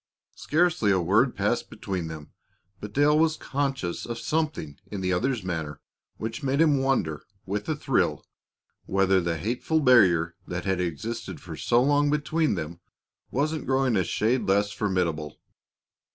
Scarcely a word passed between them, but Dale was conscious of something in the other's manner which made him wonder, with a thrill, whether the hateful barrier that had existed for so long between them wasn't growing a shade less formidable.